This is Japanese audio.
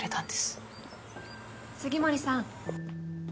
杉森さん。